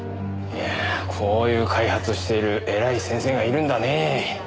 いやあこういう開発をしている偉い先生がいるんだねぇ。